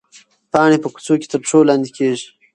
پاڼې په کوڅو کې تر پښو لاندې کېږي.